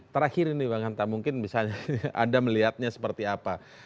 terakhir ini bang hanta mungkin misalnya anda melihatnya seperti apa